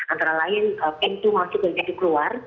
antara lain pintu masuk dan pintu keluar